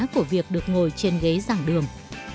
của việc được ngồi trên ghế giảng đường